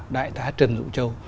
đại tá trần dụ châu